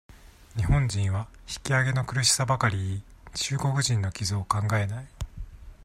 日本人は、引き揚げの苦しさばかり言い、中国人の傷を考えない。